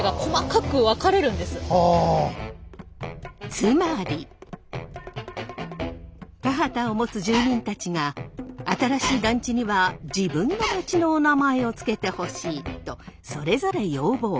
つまり田畑を持つ住民たちが新しい団地には自分の土地のおなまえをつけてほしいとそれぞれ要望。